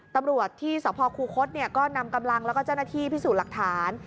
ตำรวจที่สพคูคศก็นำกำลังแล้วก็เจ้าหน้าที่พิสูจน์หลักฐาน